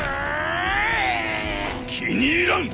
気に入らん！